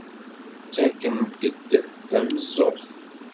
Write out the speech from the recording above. Ttakkent-d tameẓẓuɣt.